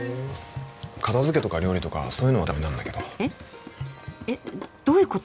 片付けとか料理とかそういうのはダメなんだけどえっえっどういうこと？